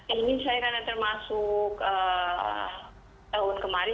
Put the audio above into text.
ini saya karena termasuk tahun kemarin